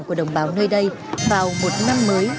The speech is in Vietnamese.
của đồng bào nơi đây vào một năm mới